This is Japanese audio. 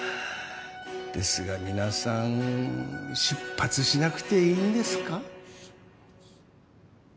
ですが皆さん出発しなくていいんですか？